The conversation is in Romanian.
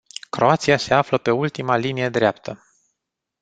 Croația se află pe ultima linie dreaptă.